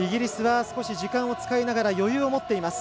イギリスは時間を使いながら余裕を持っています。